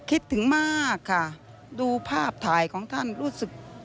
คิดถึงมากค่ะดูภาพถ่ายของท่านรู้สึก